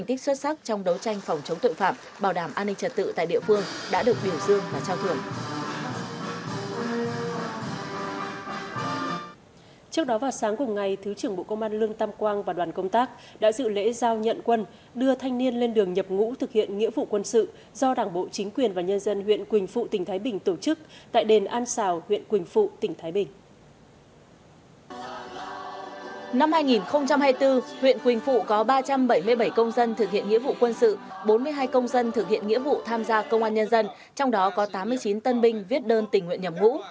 trong năm hai nghìn hai mươi bốn huyện quỳnh phụ có ba trăm bảy mươi bảy công dân thực hiện nghĩa vụ quân sự bốn mươi hai công dân thực hiện nghĩa vụ tham gia công an nhân dân trong đó có tám mươi chín tân binh viết đơn tình nguyện nhầm ngũ